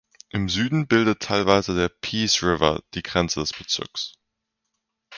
Im Süden bildet teilweise der Peace River die Grenze des Bezirks.